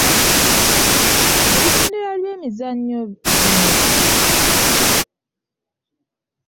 Ebigendererwa by’emizannyo gino ki?